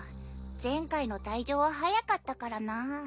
前回の退場は早かったからなぁ。